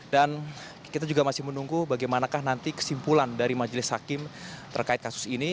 dan kita juga masih menunggu bagaimanakah nanti kesimpulan dari majelis hakim terkait kasus ini